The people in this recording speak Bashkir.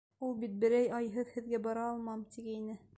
Ул бит берәй айһыҙ һеҙгә бара алмам, тигәйне!